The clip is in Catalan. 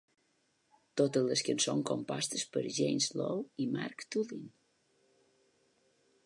Totes les cançons compostes per James Lowe i Mark Tulin.